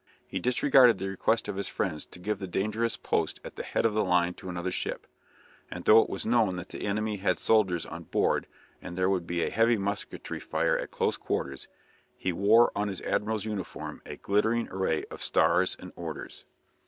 He disregarded the request of his friends to give the dangerous post at the head of the line to another ship, and though it was known that the enemy had soldiers on board, and there would be a heavy musketry fire at close quarters, he wore on his admiral's uniform a glittering array of stars and orders.